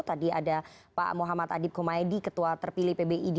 tadi ada pak muhammad adib kumaydi ketua terpilih pbid